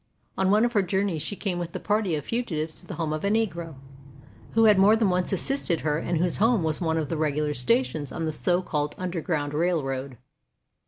On one of her journeys she came with a party of fugitives to the home of a Negro who had more than once assisted her and whose house was one of the regular stations on the so called Underground Railroad.